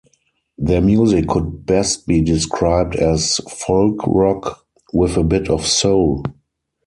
Their music could best be described as folk rock with a bit of soul.